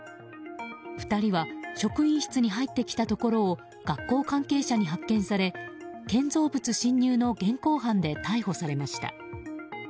２人は職員室に入ってきたところを学校関係者に発見され建造物侵入の現行犯で逮捕されました。